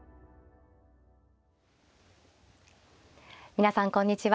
皆さんこんにちは。